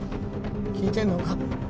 聞いてんのか？